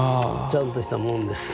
ちゃんとしたもんです。